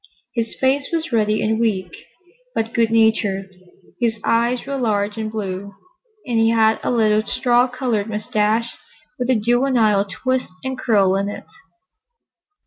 His face was ruddy and weak, but good natured: his eyes were large and blue, and he had a little straw colored moustache, with a juvenile twist and curl in it.